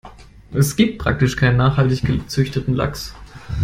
Es gibt praktisch keinen nachhaltig gezüchteten Lachs.